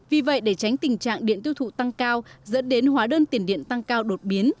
vì vậy để tránh tình trạng điện tiêu thụ tăng cao dẫn đến hóa đơn tiền điện tăng cao đột biến